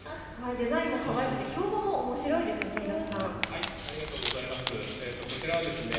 デザインもかわいくて標語もおもしろいですね。